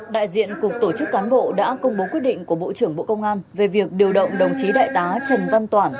đại diện cục tổ chức cán bộ đã công bố quyết định của bộ trưởng bộ công an về việc điều động đồng chí đại tá trần văn toản